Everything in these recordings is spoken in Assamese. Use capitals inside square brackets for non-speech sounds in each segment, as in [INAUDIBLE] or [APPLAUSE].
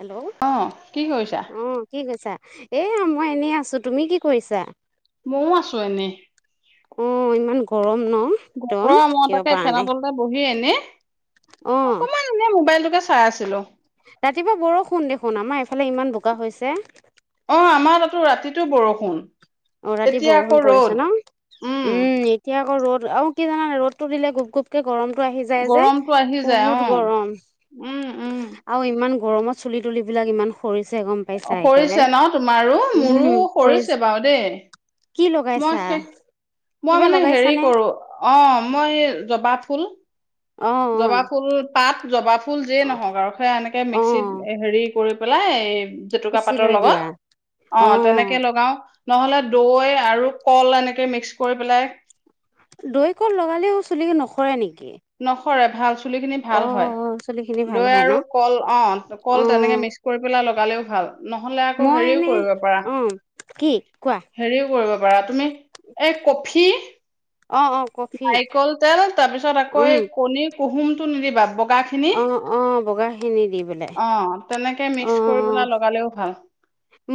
হেল্ল' অ কি কৰিছা? এয়া মই এনেই আছো তুমি কি কৰিছা? মইও আছো এনে অ ইমান গৰম ন একদম গৰম মই থাকিব তাকে পৰা ফেন নাই তলতে বহি এনে অ অকমান এনে মোবাইলটোকে চাই আছিলো কুৱা হৈছে অ আমাৰ তাতো ৰাতিটো বৰষুণ। অ ৰাতি এতিয়া আকৌ বৰষুণ পৰিছে ৰ'দ। ন উম এতিয়া। আক ৰ'দ আৰু কি জানাই ৰ'দটো দিলে গুপ গুপকে গৰম টো আহি যায় যে গৰমটো আহি যায় বহুত অ', গৰম উম, উম। আৰু ইমান গৰমত চুলি তুলিবিলাক ইমান সৰি সৰিছে ন তোমাৰো মোৰো উম সৰি সৰিছে বাৰু দেই কি লগাইছা মই শেষ মই কিবা মানে হেৰি লগাইছানে কৰো অ মই জবা ফুল অ জবা ফুল। পাত জবাব ফুল যেই অ নহওক আৰু সেয়া এনেকৈ অ মিক্সিত হেৰি কৰি পেলাই জেতুকা পিছি পাতৰ লৈ দিয়া লগত অ তেনেকে লগাও নহলে দৈ আৰু কল এনেকে মিক্স কৰি পেলাই দৈ কল লগালেও চুলি নহৰে নেকি তাকে পৰে ভাল চু চুলি খিনি ভাল হয় ভাল দৈ হয় ন? আৰু কল অঁ অ কল তেনেকে মিক্স কৰি পেলাই অলপ পালেও ভাল নহলে আকৌ মই হেৰিও এনে কৰিব পাৰা, অ কি কোৱা? হেৰিও কৰিব পৰা তুমি, এই কফি? অ অ কফি নাৰিকল তেল, তাৰ পিছত আকৌ উম এই কণী কুহুমটো নিদিবা ব অ অ। বগা খিনি দি পেলাই অ তেনেকে অ মিক্স কৰি পেলাই লগালেও ভাল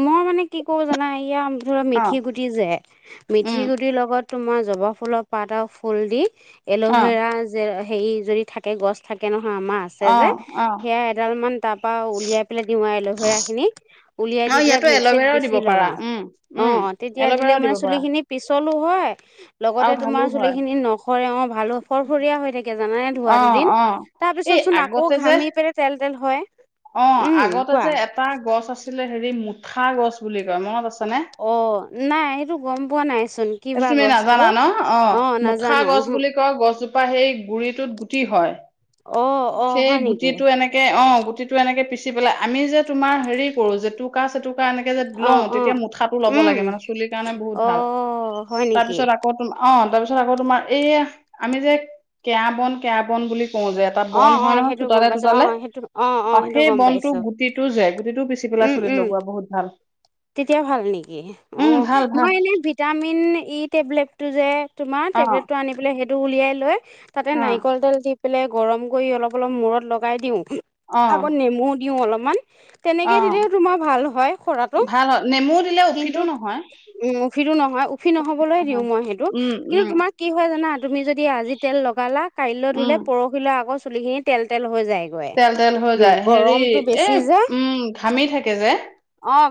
মই মানে কি কৰো জানা এয়া ধৰা অ মিঠি গুটি যে মিঠি উম গুটিৰ লগত তোমাৰ জবা ফুলৰ পাত আৰু ফুল দি অ এল'ভেৰা যে হেৰি যদি থাকে গছ থাক আমাৰ আছে অ যে, অ সেয়া এডালমান তাৰপৰা উলিয়াই পেলায় দি ৱাৰ লহৰাখিনি, উলিয়াই অ দি পেলাই ইয়াতো মিকচিত এল'ভেৰাও দিব পিছি পাৰা লগাও, উম অ উম তেতিয়া এল'ভেৰাও দিলেও দিব মানে পাৰা চুলিখিনি পিছ চলো হয়। লগতে আৰু ভালো তোমাৰ চুলি হয় খিনি নখৰে অ ভাল ফৰফৰীয়া হৈ থাকে জানান নে ধোৱা অ দুদিন। অ তাৰ পিছত এই চোন আকৌ আগতে যে ঘামি পেলাই তেল যেন হয়। অ উম, আগতে কোৱা। যে এটা গছ আছিলে হেৰি মু ঠা গছ বুলি কয় মনত আছে। অ নাই এইটো গম পোৱা নাই। এইটো তুমি নাজানা ন, অ মুঠা নাজানো গছ ওহো বুলি কয় গছজোপা সেই গুৰিটোত কি হয়। অ', অ', সেই হয় নেকি গুটিটো এনেকে অ। গুটিটো এনেকে পিচি পেলাই আমি যে তোমাৰ হেৰি কৰো জেতুকা চেতুকা এনেকে যে লওঁ অ', তেতিয়া অ'। মুঠাটো ল'ব উম, লাগে মানে চুলিৰ কাৰণে বহুত ভাল। অ', হয় নেকি? তাৰপিছত আকৌ তুম অ তাৰপিছ পিছত আকৌ তোমাৰ এই আমি যে, কেৰা বন কেৰা বন বুলি কও যে এটা অ', বন অ', হয় নহয় সেইটো গম চোতালে পাইছো তোতালে, অ', সেইটো অ', অ', আৰু সেইটো সেই গম পাইছো বনটো গুটিটো যে গুটিটোও পিচি পেলাই উম, চুলি উম। লগাব বহুত ভাল। তেতিয়া ভাল নেকি, অ উম ভাল ভাল মই এনে ভিটাম মিন ই টেবলেটটো যে তোমাৰ অ টেবলেটটো আনি পেলাই সেইটো উলিয়াই লৈ- তাতে অ নাৰিকল তেল দি- পেলাই গৰম কৰি অলপ, অলপ মূৰত লগাই দিওঁ। অ আগতে নেমু দিওঁ অলপ- মান। অ তেনেকে দিলেও তোমাৰ ভাল হয় হৰাটো। ভাল হয় নেমু দিলে কিন্তু উফিটো নহয় উম' উফিটো নহয় উফি নহবলৈ দিওঁ হয় মই সেইটো। উম কিন্তু উম তোমাৰ কি' হয় জানা তুমি যদি- আজি তেল লগালা। কাইলৈ ধূলে উম পৰহিলৈ আকৌ- চুলি খিনি তেল, তেল হৈ যায়। তেল, তেল হৈ যায়। হেৰি এই যে উম' ঘামি থাকে যে।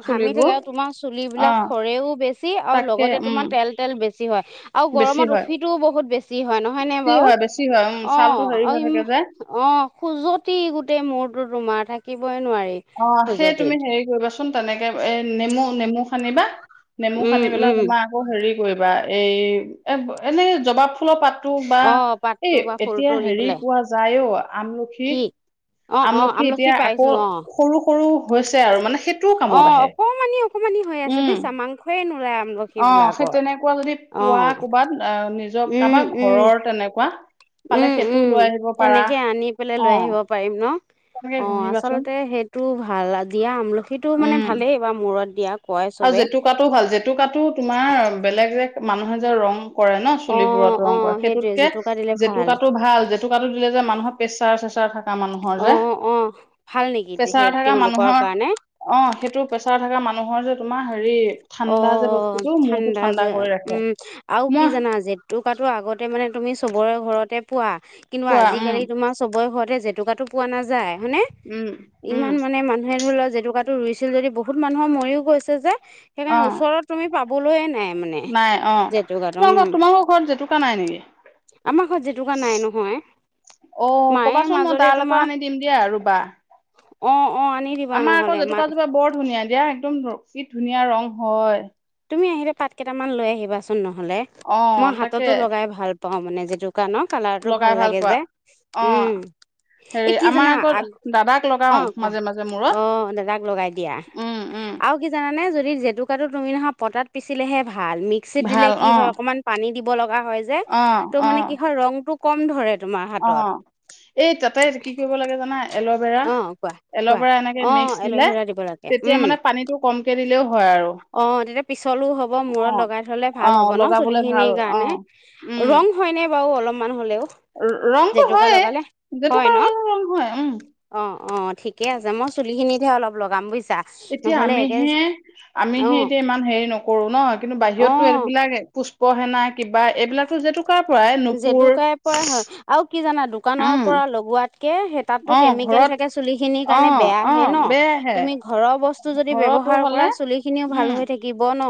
চুলি- াগে আৰু তোমাৰ চুলিবলাক সৰেও বেছি আৰু তাকে লগতে উম তোমাৰ তেল, তেল বেছি হয়। আৰু বেছি গৰমত হয় উফিটোও বহুত বেছি- হয়, নহয় নে বেছি বাৰু। হয় বেছি হয় উম অঁ ছালটো হেৰি হৈ আৰু থাকে যে অঁ খোজতি গোটেই মূৰটো তোমাৰ। থাকিবই নোৱাৰে। অঁ সেই তুমি হেৰি কৰিবা চোন তেনেকে- এ' নেমু, নেমু সানিবা। নেমু উম, হানি পেলাই উম। তোমাৰ আকৌ হেৰি- কৰিবা। এই এ' এনেই জবা ফুলৰ পাত- বা অ', এই পাতটো বা এতিয়া ফুলটো দি হেৰি পেলাই পোৱা যায় অ আমলখি। কি অ', অ', আমলখি এতিয়া আকৌ পাইছোঁ অ'। সৰু, সৰু- হৈছে আৰু। মানে- সেইটোও কামত অ', আহে। অকমানি অকমানি হৈ আছে উম' বুজিছা মাংসই নোলাই আমলখি অঁ সেই বিলাকৰ। তেনেকুৱা যদি পোৱা অ', ক'বাত আঁহ নিজৰ উম, কাৰোবাৰ উম, ঘৰৰ তেনেকুৱা। পালে উম' সেইটোও উম। লৈ আহিব পাৰা তেনেকে আনি পেলাই অ লৈ আহিব পাৰিম। তেনেকে অঁ ঘঁহিবাচোন আচলতে সেইটো। ভাল। আজিয়ে আমলখি- উম। আৰু চবে। জেতুকাটো ভাল জেতুকাটো তোমাৰ বেলেগ- মানুহে যে ৰং- কৰে ন' অ', চুলিবোৰত ৰং কৰে অ', সেইটোৱে সেইটোতকে জেতুকা দিলে ভাল জেতুকাটো ভাল। জেতুকাটো- যে মানুহৰ প্ৰেছাৰ- চেচাৰা থাকে। অঁ অঁ ভাল নেকি? সেই তেওঁলোকৰ কাৰণে? অঁ সেইটো প্ৰেছাৰ থকা মানুহৰ যে তোমাৰ হেৰি- ঠাণ্ডা যে অ', বস্তুটো মূৰটো ঠাণ্ডা যে কৰি ৰাখে উম আৰু কি মই জানা জেতুকাটো আগতে মানে তুমি চবৰে ঘৰত তেপোৱা। কিন্তু, পোৱা উম আজিকালি তোমাৰ চবৰে ঘৰত জেতুকাটো পোৱা নাযায়। হয়নে? উম উম ইমান মানে মানুহে ধৰি লোৱা জেতুকাটো ৰুইছিল যদি বহুত মানুহৰ মৰিও গৈছে যে সেইকাৰণে অ ওচৰত তুমি পাব বলয়ে নাই। মানে নাই অ', জেতুকাটো কিন্তু আকৌ উম, তোমালোকৰ ঘৰত জেতুকা নাই নেকি? আমাৰ ঘৰত জেতুকা নাই নহয়। অ', মায়ে ক'বাচোন মই মাজতে দাল তোমাৰ এটা আনি দিম দিয়া ৰুবা। অ', অ', আনি দিবা আমাৰ নহ'লে আকৌ মা জেতুকা জোপা বৰ ধুনীয়া দিয়া একদম [UNINTELLIGIBLE] ধুনীয়া ৰং হয়। তুমি আহিলে পাত কেইটামান লৈ আহিবাচোন নহ লে মই অ', তাকে হাততো লগাই ভাল পাওঁ মানে জেতু দোকানৰ কালাৰটো ভাল লগাই লাগে পোৱা। যে, অ', উম হেৰি এই কি আমাৰ জানা আকৌ দাদাক লগাও অহ কোৱা মাজে মাজে মূৰত। অ', দাদাক লগাই দিয়া উম, উম, আৰু কি জানানে? যদি জেতুকাটো তুমি নহয় পটাত পিচিলেহে ভাল। ভাল মিক্সিত দিলে ভাল কি হয় অ', অকমান পানী দিব লগা হয় যে অ', ত' মানে কি অ', হয় ৰংটোক কম ধৰে। তোমাৰ হাতত অ', এই তাতে কি কৰিব লাগে জানা? এল'ভেৰা অ', কোৱা কোৱা -এল'ভেৰা এনেকে অ', মিক্স দিলে এল'ভেৰা দিব লাগে তেতিয়া উম। মানে পানীটো কমকে দিলেও হয় আৰু। চলো হব মূৰত অ', লগাই থলে ভাল হব অ', ন', চুলি লগাবলে ভাল খিনিৰ কাৰণে, অ', উম, ৰং হয় নে? বাও অলপমান হলেও। ৰ- ৰংটো জেতুকা হয়ে। লগালে হয় জেতুকা ন? ৰঙালাও ৰং হয় উম। অহ - অহ ঠিকে আছে মই চুলি খিনিত এতিয়া অলপ লগাম বুইছ এতিয়া আমিহে, অ -আমিহে এতিয়া ইমান হেৰি নকৰো ন' কিন্তু অ বাহিৰততো এইবিলাক প পঢ়ে নাই। কিবা এইবিলাকটো জেতুকাৰ পৰাই নুপুৰ জেতুকাই পৰা হয় [UNINTELLIGIBLE] উম কে সেই তাতটো অ কেমিকেল ঘৰত থাকে চুলি খিনি অ কাৰণে অ বেয়াহে ন' বেয়াহে তুমি ঘৰৰ বস্তু যদি ঘৰতো ব্যৱহাৰ হলে কৰা চুলি খিনিও ভাল উম হৈ থাকিব ন'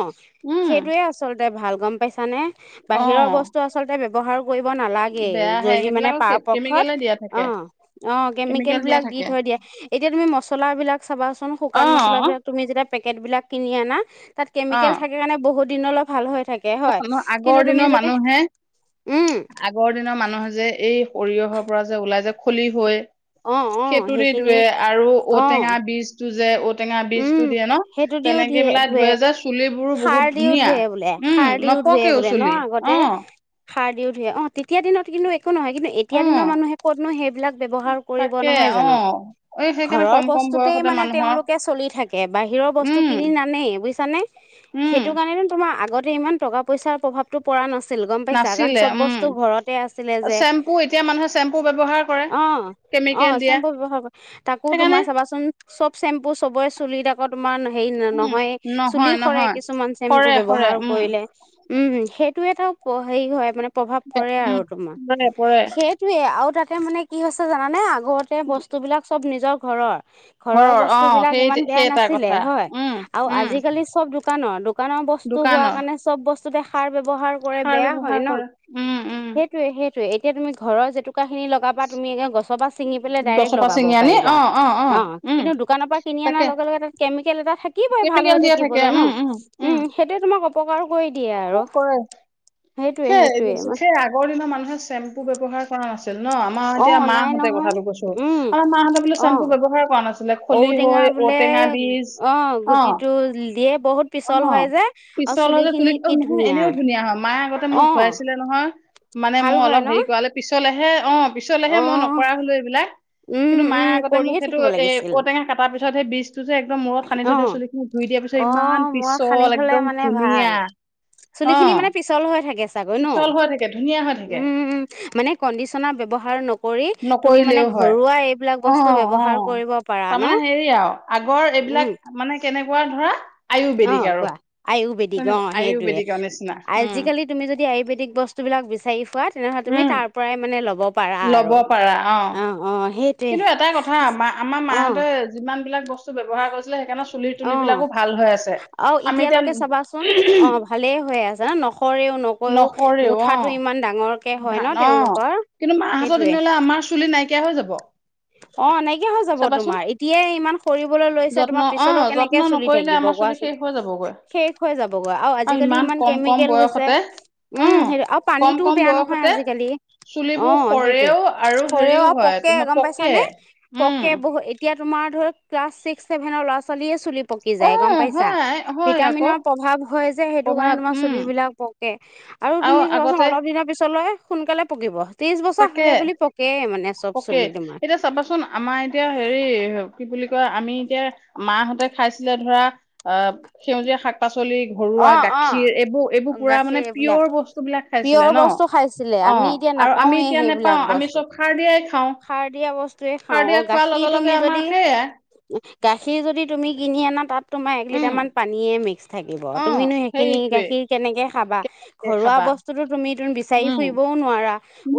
উম সেইটোয়ে আচল তাতে ভাল গম পাইছানে? অ বাহিৰৰ বস্তু আচলতে ব্যৱহাৰ কৰিব নালাগেই। বেয়াহে যদি মানে সেইবিলাকক পাৰপক্ষত কেমিকেলে দিয়া থাকে অ' অ' কেমিকেল দিয়া কেমিকেলবিলাক দি থাকে থৈ দিয়ে। এতিয়া তুমি মচলাবিলাক চাবাচোন। অ শুকান মছলাবিলাক, তুমি যেতিয়া পেকেটবিলাক কিনি আনা তাত অ কেমিকেল থাকে কাৰণে বহুত দিনত অলপ ভাল হয়। থাকে হয়। ন- কিন্তু আগৰ তুমি দিনৰ যদি মানুহে, উম, আগৰ দিনৰ মানুহে যে এই সৰিয়হৰ পৰা যে ওলাই যে, উখলি হয়, অ', অ', সেইটোৰে সেইখিনি ধোৱে, আৰু অ', ঔটেঙা বীজটো যে ঔটেঙা বীজটো উম। দিয়ে ন? তেনেকে বোলে ধুৱে যে চুলি খাৰ দিও ধোৱে বোলে। খাৰ দিও ধোৱে নপকেও বোলে ন চুলি অ আগতে, খাৰ দিও অ' তেতিয়া দিনত কিন্তু একো নহয়, কিন্তু এতিয়া অ দিনৰ মানুহে ক'তনো সেই ব্যৱহাৰ কৰিব তাকে নহয় অ জানো? এই সেইকাৰণে ঘৰৰ কম কম বস্তুতেই বয়সতে মানে মানুহৰ তেওঁলোকে চলি থাকে, বাহিৰৰ বস্তু কিনি উম নানেই বুইছে চানে? উম সেইটোকাৰণে টোন তোমাৰ আগত। ইমান টকা-পইচাৰ প্ৰভাৱটো পৰা নাছিল ছিল গম পাইছা? কাৰণ নাছিলে চব উম বস্তু ঘৰতে আছিলে যে। চেম্পু এতিয়া মানুহে চেম্পু ব্যৱহাৰ কৰে অ' কেমিকেল অ' দিয়া চেম্পু ব্যৱহাৰ কৰি, তাকো সেইকাৰণে তোমাৰ চাবাচোন চব চেম্পু, চবৰে চুলিত আকৌ তোমাৰ হেৰি উম নহয়ে। চুলি নহয় কৰে, নহয় কিছুমান চেম্পু সৰে সৰে ব্যৱহাৰ উম কৰিলে। উম। সেই টো এটা হেৰি হয় মানে প্ৰভাৱ পৰে উম আৰু তোমাৰ, পৰে পৰে সেইটোৱে আৰু তাত এতিয়া মানে কি হৈছে জানানে? আগতে বস্তুবিলাক চব নিজৰ ঘৰৰ ঘৰৰ অ বস্তুবিলাক সেই ইমান বেয়া সেই এটা নাছিলে কথা হয়। উম আৰু উম আজিকালি চব দোকানৰ দোকানৰ বস্তু হোৱা দোকানৰ কাৰণে চব বস্ত। তো যে সাৰ পাবি ব্যৱহাৰ কৰে সাৰ বেয়া হয় ব্যৱহাৰ ন কৰে উম উম সেইটোয়ে সেই। এই তোয়ে এতিয়া তুমি ঘৰৰ জেতু কা খিনি লগাবা তুমি এতিয়া গছৰ পৰা ছিঙি পেলাই ডাইৰেক্ট গছৰ পৰা লগাব ছিঙি আনি পাৰিবা। অ অ উম কিন্তু দোকানৰ পৰা কিনি অনাৰ তাকে লগে লগে তাত কেমিকেল এটা থাকিবই ভাল হৈ কেমিকেল দিয়া থাকে থাকিবলৈ ন! উম উম সেইটোয়ে তোমাক অপ [UNINTELLIGIBLE] কৰে সেইটোয়ে সেই সেইটোয়ে সেই আগৰ দিনৰ মানুহে চেম্পু ব্যৱহাৰ কৰা নাছিল। ন আমাৰ অ এতিয়া নাই মাহঁতে নহয় কথাটো কৈছোঁ উম আমাৰ মাহঁতে বোলে অ চেম্পু ব্যৱহাৰ কৰা নাছিলে ঔটেঙা খলিহৈ বোলে ঔটেঙা বীজ অ দিয়ে বহুত অ পিছল হয় যে আৰু পিছল চুলি হয় খিনি যে অ কি নহয় এনেও ধুনীয়া হয়। মাৰ মোক অ ধুৱায়ছিলে নহয়। মানে ভাল মোৰ হয় অলপ ন হেৰি কৰালে পিছ চলেহে অঁ। অ পিছলেহে মই নকৰা হলো এইবিলাক উম কিন্তু মায়ে উম আগতে মোক কৰিয়ে সেইটো থাকিব এ লাগিছিল ঔটেঙা কাটাৰ পিছত সেই বীজটো যে একাৰ মূৰত সানি অ থৈ দিয়া চুলিখিনি ধুই দিয়া পিছত অ ইমান মূৰত সানি পিছল থলে একদম মানে ভাল ধুনীয়া। চুলি খিনি অ', মানে পিছলত। হৈ থাকে। ছাগৈ ন পিছল হৈ থাকে ধুনীয়া হৈ থাকে। উম মানে কণ্ডিচনাৰ ব্যৱহাৰ নকৰি তুমি মানে নকৰিলেও হয়, ঘৰুৱা এইবোৰ বস্তু অ', অ'। ব্যৱহাৰ কৰিব পাৰা ন তাৰমানে হেৰি আৰু আগৰ এইবিলাক উম মানে কেনে কুৱা ধৰা। আয়ুৰ্বেদিক আৰু বেদিক অ তেনেকুৱা সেইতোৱে আয়ুৰ্বেদিকৰ নিচিনা উম, আজিকালি তুমি যদি আয়ুৰ্বেদিক বস্তুবিলাক বিছাৰি ফুৰা তেনেহলে তুমি উম। তাৰ পৰাই মানে ল'ব। পাৰা লব আৰু পাৰা অ। অঁ অঁ সেইটোৱে কিন্তু এটাইকথা আমাৰ অঁ মাহঁতে যিমান বিলাক বস্তু। ব্যৱহাৰ কৰিছিলে সেইকাৰণে চুল অঁ তুলিবিলাকো ভাল হৈ আছে। আৰু আমি এতিয়া এতিয়ালৈকে চাবাচোন অঁ ভালেই হৈ আছে ন নসৰেও নকৈও নকৰেও অ মুঠাটো ইমান ডাঙৰকে হয় ন ধান অ তেওঁলোকৰ কিন্তু মাহতৰ দিনলে আমাৰ চুলি নাই কিয়া হৈ যাব। অ নাইকিয়া হৈ যাব চাবাচোন তোমাৰ এতিয়াই ইমান সৰিবলৈ লৈছে যত্ন তোমাৰ পিছলৈ অ', কেনেকে যত্ন চুলি নকৰিলে থাকিব আমাৰ চুলি কোৱাচোন শেষ হৈ যাবগৈ শেষ হৈ যাব গৈ কোৱা আৰু আজিকালি ইমান কম কম কেমিকেল হৈছে বয়সতে উম অ', সেইটো আৰু কম পানীতটোও কম বেয়া নহয় বয়সতে আজিকালি অ চুলিবোৰ সেইটোয়ে সৰেও আৰু সৰেও হেৰিও আৰু হয় পকে তোমাৰ গম পাইছে পকে ছানে উম, পকে বহুত এতিয়া। তোমাৰ ধৰা ক্লাছ ছিক্ ছেভেনৰ ল'ৰা ছোৱালীয়ে চুলি। পকি যায় গম অ', পাইছা হয় হয় আকৌ ভিটামিনৰ প্ৰভাৱ হয় যে সেইটো কাৰণে প্ৰভাৱ তোমাৰ উম। চুলিবিলাক পকে আৰু তুমি চাবাচোন অলপ দিনৰ পিছলৈ সোনকালে পকিব। ত্ৰিশ বছৰ তাকে হ'লে বুলি পকে চব পকে চুলি তোমাৰ এতিয়া চাবাচোন আমাৰ এতিয়া হেৰি কি বুলি কয় আমি এতিয়া মাহঁতে খাইছিলে ধৰা অ সেউজীয়া শাক পাচলি। পাচলি ঘৰুৱা অ অ গাখীৰ এইবোৰ এইবোৰ পুৰা মানে গাখীৰ এইবিলাক পিয়ৰ বস্তু বিলাক খাইছিলে পিয়ৰ ন বস্তু খাইছিলে অ আমি এতিয়া আৰু আমি নাপাওঁৱে এতিয়া নেপাও সেইবিলাক আমি বস্তু চব সাৰ দিয়াই খাওঁ সাৰ দিয়া বস্তুয়ে সাৰ খাওঁ অ দিয়া খোৱাৰ গাখীৰ লগে লগে তুমি আমাৰ যদি সেয়াই গাখীৰ যদি তুমি কিনি আনা তাত তোমাৰ এক উম লিটাৰ মান পানীয়ে মিক্স থাকে অ তুমিনো সেইখিনি সেইটোৱে গাখীৰ কেনেকে খাবা ঘৰুৱা খাবা বস্তুতো তুমি বিচাৰি উম ফুৰিবও নোৱাৰে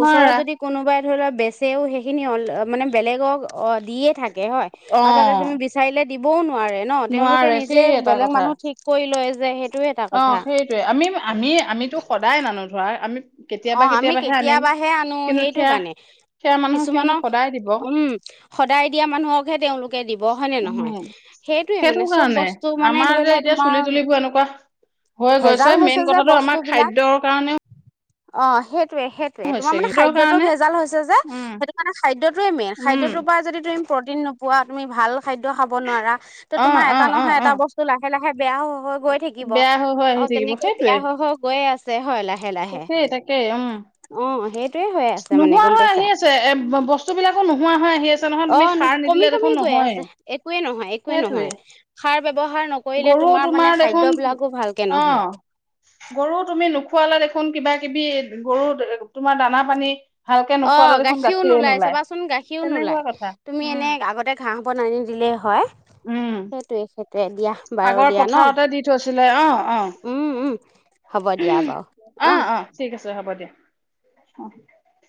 ওচৰত যদি কোনোবায় ধৰি লোৱা বেচেও সেইখিনি মানে বেলেগক দিয়ে থাকে থাকে হয় অ আৰু তাতে তুমি বিচাৰিলে দিবও ন নোৱাৰে ন তেওঁলোকে নোৱাৰে নিজে সেই এটা বেলেগ কথা মানুহ ঠিক কৰি লয়। যে সেই অ সেইটোয়ে আমি আমি আমিতো সদায় নানো ধৰা আমি অ কেতিয়াবা আমি আনিম কেতিয়াবাহে আনো কিন্তু সেইটো সেয়া কাৰণে সেয়া মানুহক সিহঁতে কিছুমানক সদায় দিব উম সদায় দিয়া মানুহকহে তেওঁলোকে দিব হয় নে নহয় উম সেইটোয়ে সেইটো মানে চব কাৰণে বস্তু মানে আমাৰ ধৰি যে ল এতিয়া তোমাৰ চুলি তুলিবোৰ এনেকুৱা হৈ ভেজাল গৈছে হৈছে মেইন যে কথাটো আমাৰ বস্তুবিলাক খাদ্যৰ কাৰণেও অ সেই সেইটো সেইটোয়ে হৈছে তোমাৰ মানে সেইটো খাদ্যটো কাৰণে ভেজাল হৈছে যে উম সেইটো কাৰণে খাদ্যটোয়ে মেইন উম খাদ্যটোৰ পৰা যদি তুমি প্ৰ'টিন নোপোৱা তুমি ভাল খাদ্য খাব নোৱাৰা ত অ তোমাৰ অ এটা অ নহয় অ এটা বস্তু লাহে লাহে বেয়া হৈ হৈ গৈ থাকিব বেয়া হৈ হৈ আহি আৰু থাকিব তেনেকে সেইটোৱে বেয়া হৈ হৈ গৈয়ে আছে হয় লায় লাহে লাহে তাকে উম অ সেইটোয়ে হৈ আছে মানে নোহোৱা গম হৈ পাইছা আহি আছে এ বস্তু বিলাকো নোহোৱা হৈ আহি আছে। নহয় অ তুমি সাৰ কমি নিদিলে কমি দেখোন গৈ নহয়ে আছে একোৱে নহয় একোৱেই সেইটোৱে নহয় সাৰ ব্যৱহাৰ নকৰিলে গৰু তোমাৰ মানে দেখোন খাদ্যবিলাকো ভালকে অ নহয় গৰু তুমি নোখোৱালা দেখ খোন কিবা কিবি গৰু তোমাৰ দানা পানী ভালকে অ নোখোৱালে দেখোন গাখীৰো গাখীৰে নোলাই নোলায় চাবাচোন গাখীৰো তেনেকুৱা নোলায় কথা তুমি এনে আগতে ঘাঁহ বন আনি দিলেই হয় উম সেইটোৱে সেইটোৱে দিয়া বাৰু আগৰ দিয়া ন পথাৰতে দি থৈছিলে অ অ, উম উম হ'ব দিয়া বাৰু উমহ অ অ ঠিক আছে হ'ব অ